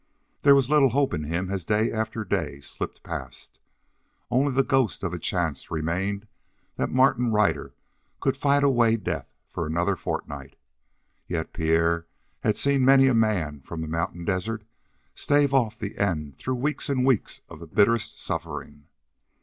There was little hope in him as day after day slipped past. Only the ghost of a chance remained that Martin Ryder could fight away death for another fortnight; yet Pierre had seen many a man from the mountain desert stave off the end through weeks and weeks of the bitterest suffering.